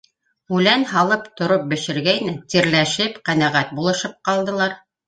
Үлән һалып тороп бешергәйне, тирләшеп, ҡәнәғәт булышып ҡалдылар.